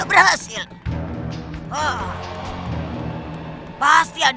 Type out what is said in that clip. aku berhasil menangkapmu